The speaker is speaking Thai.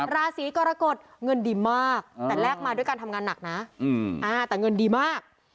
ราศีกรกฎเงินดีมากแต่แรกมาด้วยการทำงานหนักนะแต่เงินดีมาก